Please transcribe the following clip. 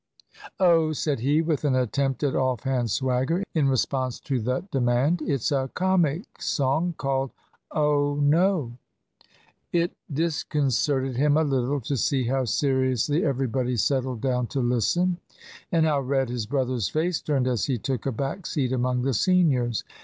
"Oh," said he, with an attempt at offhand swagger, in response to the demand. "It's a comic song, called Oh no." It disconcerted him a little to see how seriously everybody settled down to listen, and how red his brother's face turned as he took a back seat among the seniors.